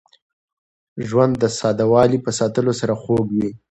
ژوند د ساده والي په ساتلو سره خوږ وي.